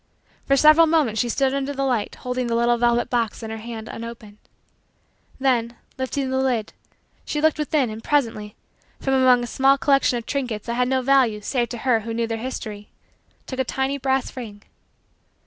For several moments she stood under the light holding the little velvet box in her hand unopened. Then, lifting the lid, she looked within and, presently, from among a small collection of trinkets that had no value save to her who knew their history, took a tiny brass ring.